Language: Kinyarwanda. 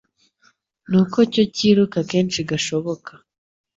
ni uko cyo kiruka kenshi gashoboka